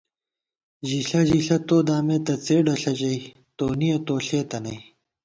ژِݪہ ژِݪہ تو دامېتہ څېڈہ ݪہ ژَئی تونِیَہ تو ݪېتہ نئ